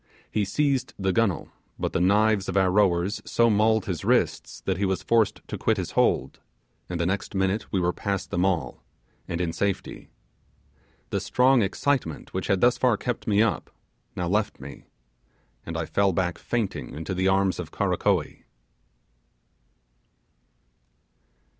He seized the gunwhale, but the knives of our rowers so mauled his wrists, that he was forced to quit his hold, and the next minute we were past them all, and in safety. The strong excitement which had thus far kept me up, now left me, and I fell back fainting into the arms of Karakoee.